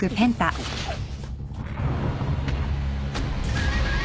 あっ。